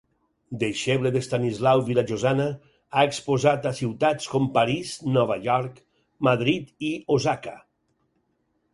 Deixeble d'Estanislau Vilajosana, ha exposat a ciutats com París, Nova York, Madrid i Osaka.